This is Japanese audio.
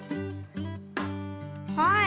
はい。